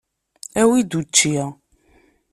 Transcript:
Awi-d učči.